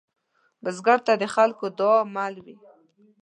بزګر ته د خلکو دعاء مل وي